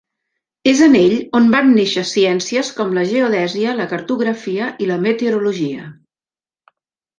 És en ell on van néixer ciències com la geodèsia, la cartografia i la meteorologia.